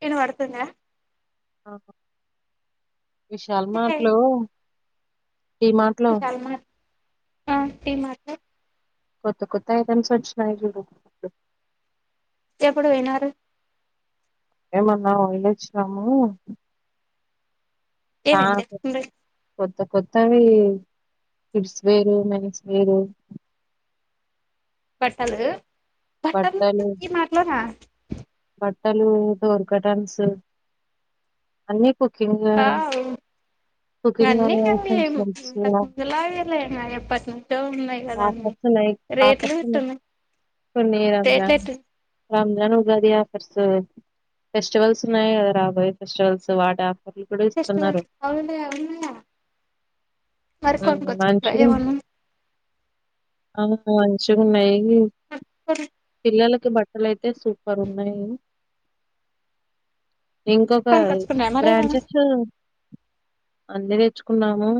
కెను పడుతున్నాయా ఆ విశాల్ హే మార్ట్ లో డీ మార్ట్ లో విశాల్ మార్ట్ ఆ టీ మ్యాటో కొత్త కొత్త ఐటమ్స్ వొచ్చినయ్ చూడు ఎప్పుడు పోయినారు ఏమన్న అయ్యిండొచ్చునాము చా ఏమేం తెచ్చుకుండ్రి కొత్త కొత్ త్తవ్వి కిడ్స్ వేరు మెన్స్ వేరు బట్టలు బట్టలు ఈ మార్ట్ లోన ట్టలు డోర్ కటన్స్ హు అన్ని కుట్టిన వావ్ అన్నీ అన్నీయే ఇంతకముందు లాగేలే ఎప్పటి నుంచో ఉన్నాయి కదా అన్నీ ఉన్నాయ్ రేట్లు ఆఫర్స్ ఉన్నాయ్ గిట్టున్నాయి కొన్ని రేట్లు రంజాన్ ఎట్లున్నాయి Ramzan Ugadi offers so festivals ఉన్నాయి కదా రాబోయే ఫెస్టివల్స్ వాట ఫెస్టివల్ లాగా ఉన్నాయా ఉన్నాయా మరి కొనుకొచ్చు ట్రై మంచిగా ఏమన్నా ఆ మంచిగ ఉన్నాయి కొను పిల్లలక్ కి బట్టలు అయితే సూపర్ ఉన్నాయి ఇంకొక కొనుకొచ్చుకున్నారా మరేమన్నా బ్రాంచెస్ అన్ని తెచ్చుకున్నాము.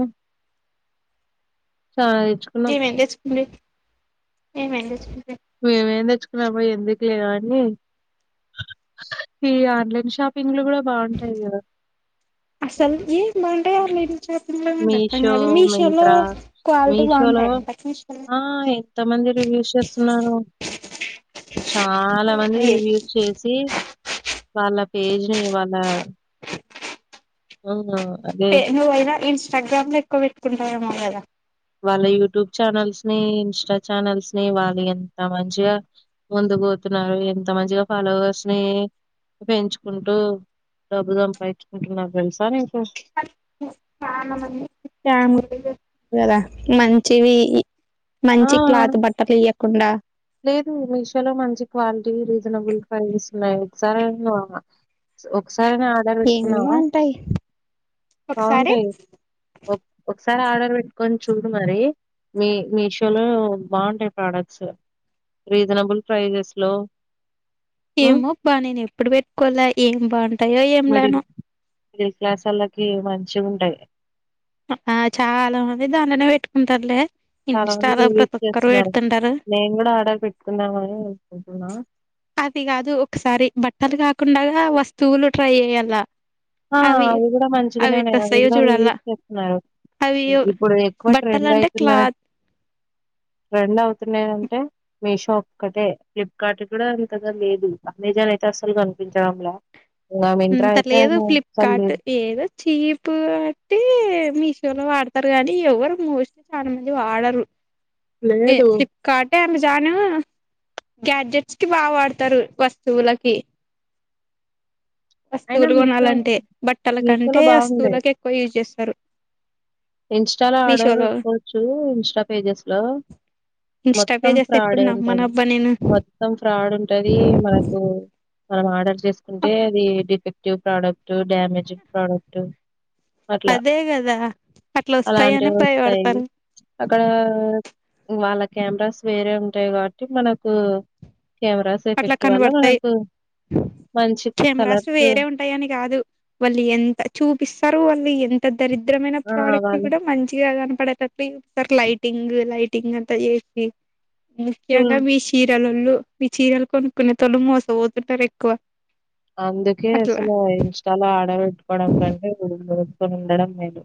చాలా తెచ్చుకున్నాం ఏమేమి తెచ్చుకుంటివి ఏమేమి తెచ్చుకుం లేవన్నీ ఈ ఆన్లైన్ షాపింగ్లు కూడా బాగుంటాయి కదా అసలు ఏం బాగుంటాయ ఆల్రెడీ షాపింగ్ లో ఏం అర్థం మీషో కాదు మీషో లో మింత్రా క్వాలిటీ మీషోలో బాగుంటాయ ఇంతకి ఆ ఎంత మంది రివ్యూస్ చేస్తున్నారు చాలా మంది రివ్యూస్ చేసి వాళ్ళ పేజ్ ని వాళ్ళ అహా పే నువ్వైనా ఇన్స్టాగ్రామ్ లో ఎక్కువ పెట్టుకుంటావేమో కదా వాళ్ళ యూట్యూబ్ ఛానల్స్ ని ఇంస్టా ఛానల్స్ ని వాళ్ళు ఎంత మంచిగా ముందుకు పోతున్నారు ఎంత మంచిగా ఫాలోవర్స్ ని పెంచుకుంటూ డబ్బు సంపాయించుకుంటున్నరు తెలుసా కాని చాన మంది [unintelligible] కదా మంచివి ఆ మంచి క్లాత్ బట్టలు ఇయ్యకుండా లేదు మీషోలో మంచి క్వాలిటీ లెద్ రీసనబుల్ ప్రైసస్ ఉన్నాయ్ ఒకసారి అయినా పోదమా ఒక్ సారన్నా ఆర్డర్ ఏమేమో పెట్టుకున్నావా అంటాయి ఒకసారి బావుంటయ్ ఓ ఓ ఒకసారి ఆర్డర్ పెట్టుకొని చూడు మరి మీ మిషో షోలో బాగుంటాయి ప్రొడక్ట్స్ రీజనబుల్ ప్రైసెస్ లో ఏమొబ్బ నేను ఎప్పుడు పెట్టుకొలె ఏం బాగుంట్ మిడిల్ మిడిల్ క్లాస్ వాళ్లకి మంచిగా ఉంటాయి ఆ చాలా మంది దాన్లోనే పెట్టుకుంటారులే చాలా మంది ఇన్స్టాలో రివ్యూస్ ప్రతి ఒక్కరు చేస్తున్నారు పెడుతుంటారు. నేను ఆర్డర్ పెట్టుకుందాం అని అనుకుంటున్న అది కాదు ఒకసారి బట్టలు కాకుండా వస్తువులు ట్రై చెయ్యాలా ఆ అవి కూడా మంచిగానే ఉన్నాయి అవి కూడా రీ చూడాల అవి ఇప్పుడు ఎక్కువ బట్టలు ట్రెండ్ అంటే అయితున్నా క్లాత్ ట్రెండ్ అవుతున్నాయి అంటే మీషో ఒక్కటే ఫ్లిప్కార్ట్ కూడా అంతగా లేదు ఆమ్ అయితే అసలు కనిపించడంలే ఇగ మింత్రా అయితే అస్సలు లేదు కాట్ ఏదో చీప్ వట్టి మీషోలో వాడుతారు కానీ ఎవరు మోస్ట్లీ చాలా మంది వాడరు ఏ లేదు ఫ్లిప్కార్ట్ అమెజాన్ను గ్యాడ్జెట్స్ కి బా వాడతారు వస్తువులకి అయినా వస్తువులు మీషో కొనాలంటే బట్టల కంటే మీషోలో బాగుండే వస్తువులక్ ఎక్కువ యూజ్ చేస్తారు ఇన్స్టాలో ఆర్డర్ మీషోలో పెట్టుకోవచ్చు ఇన్స్టా పేజెస్ లో ఇన్స్టా మొత్తం పేజెస్ ఎప్పుడు ఫ్రాడే ఉంటది నమ్మనబ్బా నేను మొత్తం ఫ్రాడ్ ఉంటది మనకు మనం ఆర్డర్ చేసుకుంటే అది డిఫెక్టివ్ ప్రోడక్ట్ డ్యామేజ్ ప్రోడక్ట్ అట్లా అదే కదా అట్లా వస్తాయని అలాంటివి ఒస్తాయి భయపడతారు క్కడ వాళ్ళ కెమెరాస్ వేరే ఉంటాయి కాబట్టి మనకు కెమెరాస్ అట్లా ఎఫెక్ట్ వల్ల కనబడతాయి మనకు మంచి కు కెమెరాస్ కలర్ వేరే ఉంటాయని కాదు వాళ్ళు ఎంత చూపిస్తారు వాళ్ళు ఎంత దరిద్రమైన ఆ ప్రోడక్ట్ వాళ్ళ కూడా మంచిగా కన్ పడేటటి చూపిస్తారు లైటింగ్ లైటింగ్ అంతా చేసి ముఖ్యంగా హ్మ్. మీ షిరాలు ళ్ళు మీ చీరలు కొనుక్కునే తోలు మోసపోతుంటారు ఎక్కువ అందుకే అట్లా అసల ఇంస్టాలో ఆడర్ పెట్టుకోడం కంటే గుడుం గుడుం ఉండడం మేలు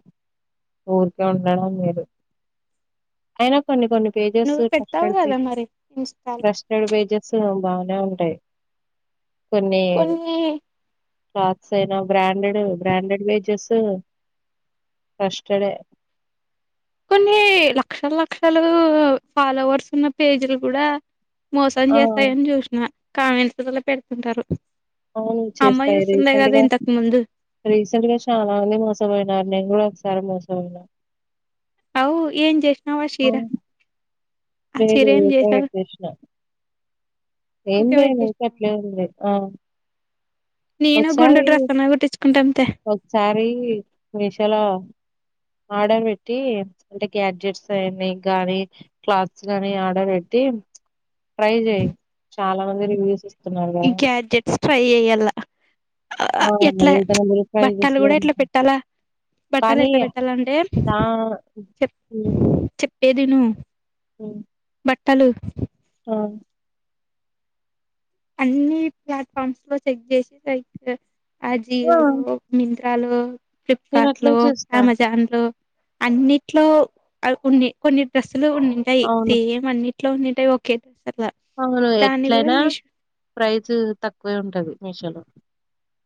ఊరికే ఉండడం మేలు కొన్ని పేజెస్ నువ్వు పెడతావు ట్రస్టెడ్ పే కదా మరి ఇన్స్టాల్ ట్రస్టెడ్ పేజెసే బానే ఉంటాయి కొన్ని క్లాత్స్ అయినా బ్రాండెడ్ బ్రాండెడ్ వాజెస్ ట్రస్టెడ్ ఏ కొన్ని లక్షల లక్షలు ఫాలోవర్స్ ఉన్న పేజీలో కూడా మోసం ఆ చేస్తాయని చూసిన కామెంట్పిల్లలు పెడుతుంటారు అవును అమ్మ చేస్తాయి చూస్తుండే కదా రీసెంట్గా ఇంతకు ముందు రీసెంట్ గా చాలామంది మోసంపోయినారు నేన్ కూడా ఒకసారి మోసపోయిన అవ్వు ఏం జేశానవ్ ఆ శీరా అవును. లేదు ఉల్టా పెటేషిన ఊకే ఏందే నీకు పెట్టేసినావు అట్లా ఐంది గట్ల ఆ నేను గుండు ఒకసారి డ్రెస్ అన్నా కుట్టించుకుంటాంతే ఒకసారి మీషోలా ఆర్డర్ పెట్టి అంటే గ్యాడ్జెట్స్ ఐయ్యని గానీ క్లాత్స్ గాని ఆర్డర్ పెట్టి ఉ ట్రై చెయి చాలా మంది రివ్యూస్ ఇస్ ఇ గ్యాడ్జెట్స్ ట్రై చెయ్యాలా ఆ ఎట్లా రీజనబుల్ ప్రైజెస్ బట్టలు లో కూడా ఎట్లా ఉంటాయి. పెట్టాలా బట్టలు కానీ ఎట్లా పెట్టా ల అంటే ఆ చె చెప్పేది ఇను మ్మ్ బట్టలు ఆ అన్ని ప్లాట్ఫామ్స్ లో చెక్ చేసి లైక్ ఆ! ఆజియోలు మిత్ర త్రలు, నేను అట్లే ఫ్లిప్కార్ట్లు, చేస్తా. అమెజాన్లు అన్నిట్లో అవి కొన్ని కొన్ని డ్రెస్సులు ఉన్నుంటాయ్ అవును. సేమ్ అన్ని ట్లో ఉన్నుంటే ఓకే అవును ఎట్లయినా ప్రైస్ తక్కువే ఉంటది మిషో లో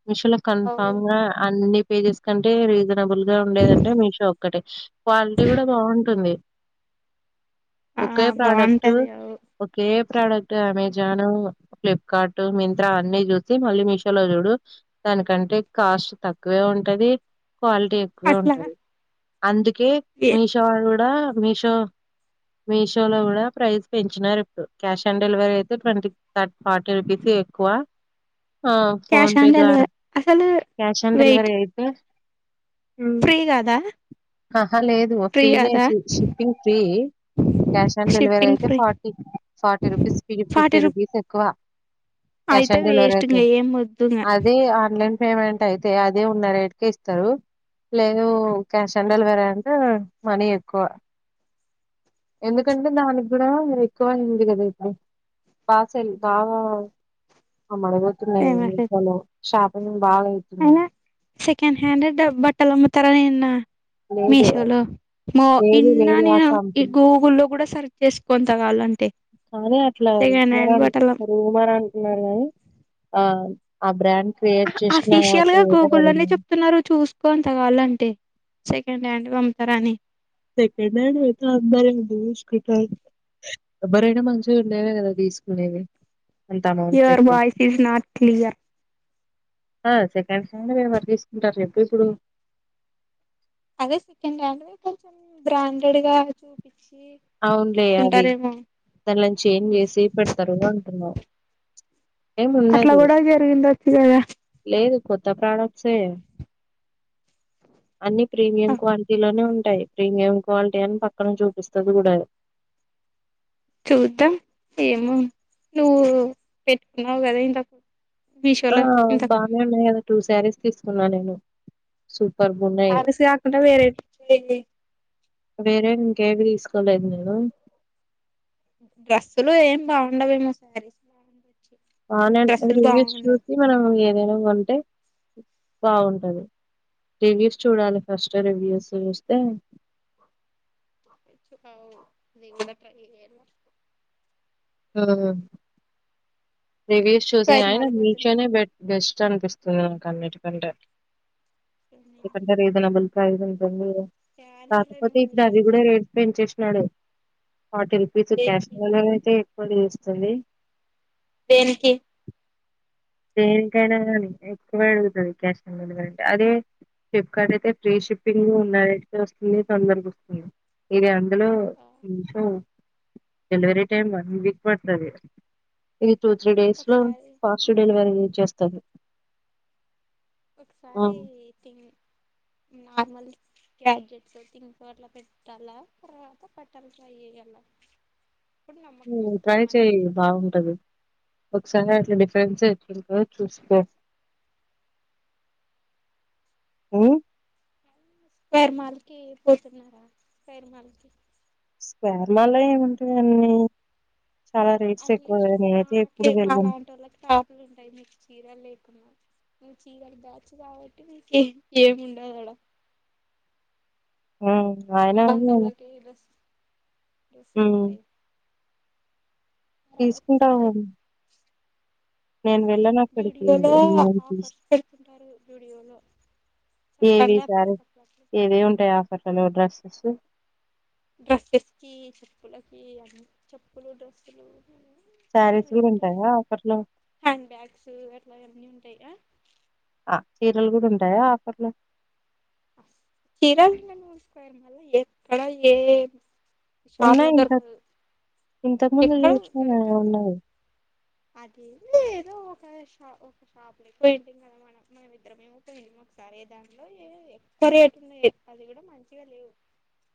మిషో లో కన్ఫామ్ గా అవును. అన్ని పేజెస్ కంటే రీజనబుల్ గా ఉండేదంటే మీషో ఒక్కటే క్వాలిటీ కూడా బాగుంటుంది ఆ ఒకే ప్రోడక్ట్ బాగుంటది అవు ఒకే ప్రోడక్ట్ అమెజాను ఫ్లిప్కార్ట్ మింత్రా అన్ని చూసి మళ్ళీ మీషోలో చూడు దానికంటే కాస్ట్ తక్కువే ఉంటది క్వాలిటీ ఎక్కువే అట్లా ఉంటది అందుకే ఎ మీషో డా మీషో మీషో లో కూడా ప్రైస్ పెంచినారు ఇప్పుడు క్యాష్ ఆన్ డెలివరీ అయితే ట్వంటీ థర్ ఫార్టీ రూపీస్ ఎక్కువ ఆ క్యాష్ ఫోన్ పే ఆన్ ద్వారా డెలివరీ అసలు క్యాష్ ఆన్ డెలివరీ అయితే ఉమ్. ఫ్రీగాదా ఆహా లేదు ఫ్రీనే షి shipping free cash on delivery shipping అయితే ఫ్రీ ఫార్టీ ఫార్టీ రూపీస్ ఫి ఫిఫ్టీ ఫార్టీ రూ రూపీస్ ఎక్కువ క్యాష్ అయితే ఆన్ డెలివరీ వేస్ట్ అయితే ఇంగ ఏం వద్దు ఇంగ అదే ఆన్లైన్ పేమెంట్ అయితే అదే ఉన్న రేట్కే ఇస్తారు లేవ్ క్యాష్ ఆన్ డెలివరీ అంటే మనీ ఎక్కువ ఎందుకంటే దానికి కూడా ఎక్కువయింది గదా ఇప్పుడు బా సేల్ బాగ ఆ మనపోతున్నాయి మీషోలో షాపింగ్ బాగా అయితుంది అయినా సెకండ్ హ్యాండెడ్ బట్టలు అమ్ముతారా నిన్నా లేదు మీషోలో మో లేదు ఇన్న లేదు ఆ నేను ఈ కంపెనీ గూగుల్లో లో కూడా సర్ చేసుకోంత కాలంటే కానీ అట్లా రుమార్ రుమారంటున్నారు కానీ ఆ అ బ్రాండ్ క్రియేట్ చేసిన అఫిషియల్ గా క్రియేటర్ గూగుల్లోనే ఆయన. చెప్తున్నారు చూసుకో అంత కాలంటే సెకండ్ హ్యాండ్ వమ్ముతారని సెకడ్ హ్యాండ్ వైతే అందరి [unintelligible] ఎవరైనా మంచిగా ఉండేదే కదా తీసుకునేవి your voice is not clear ఆ సెకండ్ హ్యాండ్ వి ఎవర్ తీసుకుంటారు జెప్పు ఇప్పుడు అదే సెకండ్ హ్యాండ్ కొంచెం బ్రాండెడ్ గా చూపి అవునులే అది దనిలోంచి ఏం చేసి పెడతారు అంటున్నావు ఎం అట్లా ఉండదు కూడా జరిగిండొచ్చు కదా లేదు కొత్త ప్రొడక్ట్స్ అన్ని ప్రీమియం క్వాలిటీ లోనే ఉన్ టాయ్ ప్రీమయం క్వాలిటీ అని పక్కన చూపిస్తది గూడా చూద్దాం ఏమో నువ్వు పెట్టుకున్నావు గదా ఇంతకు ఆ మీషోలో ఇంతకు ముందు బానే ఉన్నాయ్ కదా టూ శారీస్ తీసుకున్నా నేను సూ పాలిస్ కాకుండా వేరే వేరే ఇంకేవి తీసుకోలేదు నేను డ్రస్సులు ఏమి బాగుండవేమో శారీస్ బానే ఉంటై డ్రస్సులు రివ్యూస్ బాగుండవు చూసి మనం దెనం గోంటే బాగుంటది రివ్యూస్ చూడాలి ఫస్ట్ రివ్యూస్ చూస్తే అవ్ నిను కూడ ట్రై చేయాలి ఆ రివ్యూ చూసి స్క్వేర్ అయినా మాల్ కి మీషో పోతున్నారు నె బె బేస్ అనిపిస్తుంది నాకు అన్నిటికంటే ఎందుకంటే రీజనబుల్ ప్రైజ్ ఉంటుంది కాకపోతే ఇప్పుడు అవి కూడా రేట్ పెంచేసినాడు ఫార్టీ రూపీస్ క్యాష్ దేనికి వల్లనే ఎక్కువనే చేస్తుంది దేనికి దేనికైనా గానీ ఎక్కువే అడుగుతది క్యాష్ ఆన్ డెలివరీ అదె ఫిప్కార్ట్ అయితే ఫ్రీ షిప్పింగ్ నైట్ కి వస్తుంది తొందరగొస్తుంది ఇది అ దులో Meesho delivery time one week పడ్తది టూ త్రీ డేస్లో ఒకసారి ఫస్ట్ డెలివరీ వచ్చేస్తది ఒకసారి తిం నార్మళ్ళి క్యాబ్జెట్స్ థింగ్స్ అట్ల పెట్టాలా తర్వాత పట్టాలి ట్రై చేయాల హు మ్ ట్రై చేయ్ బాగుంటది ఒకసారి అట్లా డిఫరెన్సే వచ్చింతో చూసుకో హ్మ్ పేర్ మాల్కి పోతున్నారా పేర్ మాల్కి స్క్వేర్ లలో ఏముంటయ్ అన్నీ అట్లీస్ట్ మాకి వెళ్ళను మాలాంటోళ్ళకి టాపులు ఉంటాయ్ మీకు చీర లే కున్నా నువ్వు చీరల బ్యాచ్ కాబట్టి నీకేం ఏం ఉండదాడ మ్మ్ అయినా నేను మాలాంటోళ్లకి డ్రస్ డ్రెస్లుంటయ్ తీసుకుంటాం వచ్చి [unintelligible] నేను వెళ్ళను అక్కడికి జూడియోలో ముందరికి ఆఫర్స్ పెడుతుంటారు జూడియోలో ఏవి చెప్పండి అప్పుడు సారీ అప్పుడప్పుడు ఎవీ ఉంటాయ్ ఆఫర్స్లలో డ్రెస్సస్సు డ్రస్సస్ కి చెప్పులకి అన్ని చొప్పులు డ్రస్సులు శారీస్ ఏమేమి కూడా ఉంటాయ్ ఉంటాయా అబ్బా ఆఫర్లో హ్యాండ్ బ్యాగ్స్ అట్లా అన్నీ ఉంటాయ్ అ అ చీరలు గూడా ఉంటాయా ఆఫర్లో చీర [unintelligible] మళ ఎక్కడ ఏం షాప్లో దొరకదు ఇంతక ముందు ఎక్కడ జూస్నా నేను దొరకదు ఉన్నాయి అది ఏంలేదు ఒక ష ఒక షాప్ లేకి పోయింటిమి కదా మనం మనం ఇద్దరమేమొ పొయింటి ఒకసారే దాంట్లో ఎ ఎక్కువ రేటు ఉన్నాయ్ అది గూడా మంచిగా లేవ్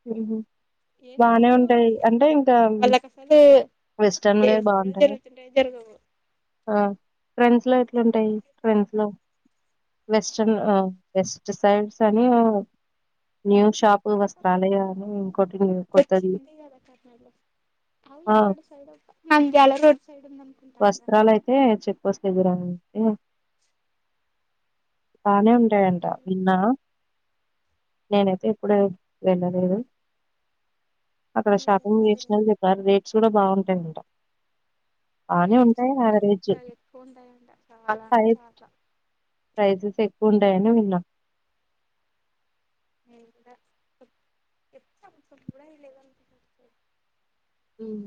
హ్మ్ హు బానే ఉంటాయ్ అంటే ఇంకా వాళ్ళకి అసలు సేల్స్ కూడా [unintelligible] ట్రెండ్స్ లో అమ్ముడు ఎట్లుంటాయి పోతనే ఉంటాయి ట్రెండ్స్ లో వెస్టన్ అ వెస్ట్ సైడ్స్ అని న్యూ షాప్ వస్ ప్రళయ అని ఇంకోటి [unintelligible] కొత్తది వచ్చింది కదా కర్నూలు అవి ఆ ఎక్కడ సైడ్ నంద్యాల రోడ్ సైడ్ ఉంది అనుకుంటా కదా వస్త్రాలయితే చెక్ పోస్ట్ దగ్గరా ఏమో బానే ఉంటాయంట విన్నా నేనైతే ఇప్పుడు వెళ్ళలేదు అక్కడ వెళ్ళలేదు షాపింగ్ అవి వెళ్ళ చేస్నోలు చెప్పారు రేట్స్ గూడా బావుంటాయ్ రేట్సు పిచ్చ యావరేజ్. ఎక్కువుంటాయంట చాలా హై అంటే చాలా ప్రైజెస్ ఎక్కువ ఉంటాయని విన్నా [unintelligible] హ్మ్